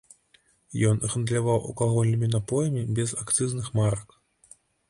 Ён гандляваў алкагольнымі напоямі без акцызных марак.